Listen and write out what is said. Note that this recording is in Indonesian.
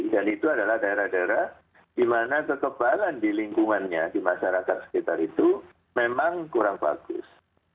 dan itu adalah daerah daerah di mana kekebalan di lingkungannya di masyarakat sekitar itu memang kurang bagus